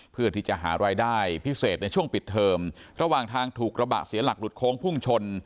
เพื่อที่จะหารายได้พิเศษในช่วงปิดเทอมระหว่างทางถูกกระบะเสียหลักหลุดโค้งพุ่งชน